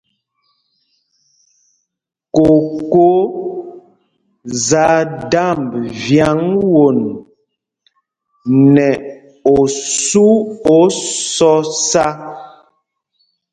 Koko za damb vyaŋ won nɛ osu o sɔsa.